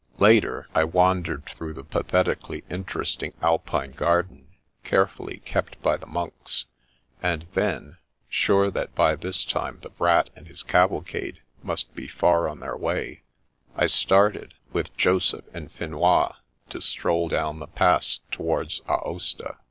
Later, I wandered through the pathetically inter esting Alpine garden, carefully kept by the monks ; and then, sure that by this time the. Brat and his cavalcade must be far on their way, I started, with Joseph and Finois, to stroll down the Pass towards Aosta.